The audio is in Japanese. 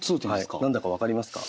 何だか分かりますか？